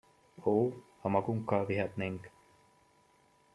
Ó, ha magunkkal vihetnénk!